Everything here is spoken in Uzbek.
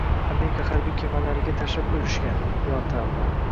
Amerika harbiy kemalariga tashlab o‘lishgan… Yo tavba!